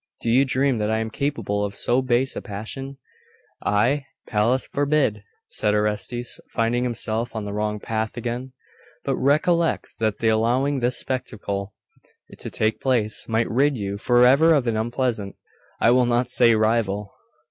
Do you dream that I am capable of so base a passion?' 'I? Pallas forbid!' said Orestes, finding himself on the wrong path again. 'But recollect that the allowing this spectacle to take place might rid you for ever of an unpleasant I will not say rival.